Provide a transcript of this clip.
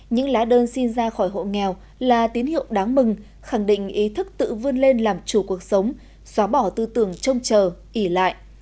những lá đơn xin ra khỏi hộ nghèo là tín hiệu đáng mừng khẳng định ý thức tự vươn lên làm chủ cuộc sống xóa bỏ tư tưởng trông chờ ỉ lại